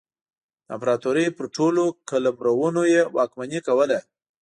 د امپراتورۍ پر ټولو قلمرونو یې واکمني کوله.